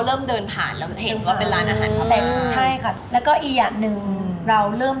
เราจับก่อนไหม